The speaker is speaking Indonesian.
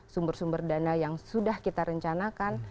sumber sumber dana yang sudah kita rencanakan